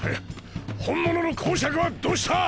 本物の侯爵はどうした？